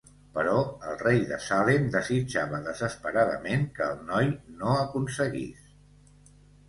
Però el rei de Salem desitjava desesperadament que el noi no aconseguís.